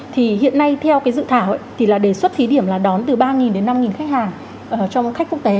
thì hiện nay theo cái dự thảo thì là đề xuất thí điểm là đón từ ba đến năm khách hàng cho khách quốc tế